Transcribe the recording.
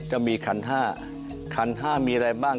จะมีขันห้าขันห้ามีอะไรบ้าง